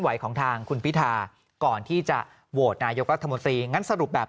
ของทางคุณพิธาก่อนที่จะโหวตนายกรัฐมนตรีงั้นสรุปแบบ